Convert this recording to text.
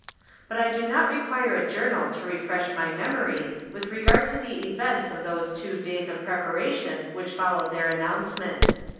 But I do not require a journal to refresh my memory with regard to the events of those two days of preparation which followed their announcement.